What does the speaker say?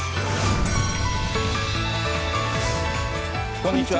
こんにちは。